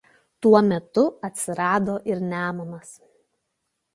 Tuo metu atsirado ir Nemunas.